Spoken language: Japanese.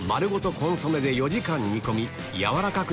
コンソメで４時間煮込み軟らかく